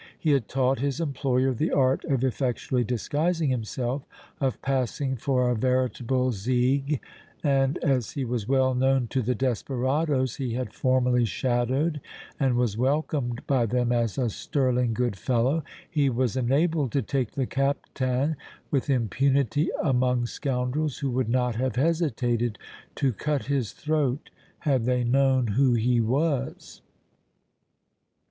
He had taught his employer the art of effectually disguising himself, of passing for a veritable zigue, and, as he was well known to the desperadoes he had formerly shadowed and was welcomed by them as a sterling good fellow, he was enabled to take the Captain with impunity among scoundrels who would not have hesitated to cut his throat had they known who he was.